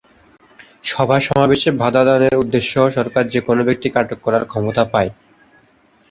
সভা-সমাবেশে বাধা দানের উদ্দেশ্যেও সরকার যেকোনো ব্যক্তিকে আটক করার ক্ষমতা পায়।